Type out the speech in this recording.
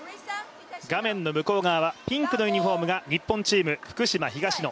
画面の向こう側、ピンクのユニフォームが日本、福島、東野。